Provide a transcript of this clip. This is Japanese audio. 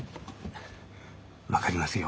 分かりますよ。